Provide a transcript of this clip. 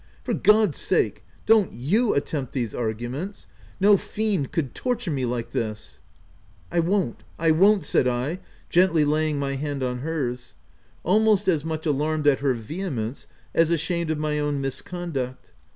" For God's sake, don't you attempt these arguments ! No fiend could torture me like this P 11 1 won't, I won't !" said I, gently laying my hand on hers ; almost as much alarmed at her vehemence, as ashamed of my own misconduct.